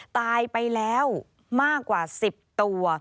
ตายไปแล้วมากกว่า๑๐ตัว